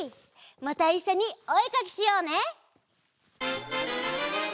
またいっしょにおえかきしようね！